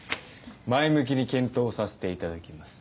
前向きに検討させていただきます。